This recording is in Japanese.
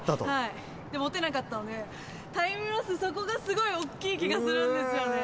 持てなかったので、タイムロス、そこがすごい大きい気がするんですよね。